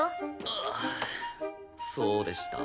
あっそうでした。